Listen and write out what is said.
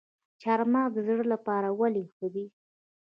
چهارمغز د زړه لپاره ولې ښه دي؟